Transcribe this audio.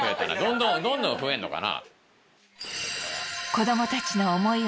どんどん増えんのかな？